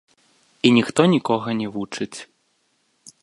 І ніхто нікога не вучыць.